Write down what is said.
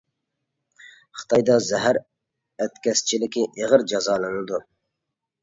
خىتايدا زەھەر ئەتكەسچىلىكى ئېغىر جازالىنىدۇ.